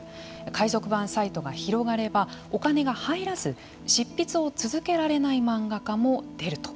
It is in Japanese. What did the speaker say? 海賊版サイトが広がればお金が入らず執筆を続けられない漫画家も出ると。